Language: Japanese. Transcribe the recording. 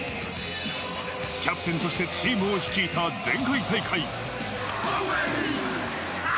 キャプテンとしてチームを率いた前回大会。